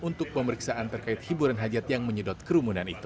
untuk pemeriksaan terkait hiburan hajat yang menyedot kerumunan itu